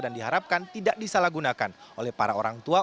dan diharapkan tidak disalahgunakan oleh para orang tua